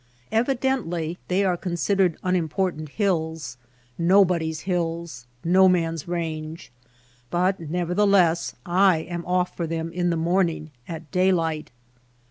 Evidently they are considered unimportant hills, no body^s hills, no man^s range ; but nevertheless I am off for them in the morning at daylight.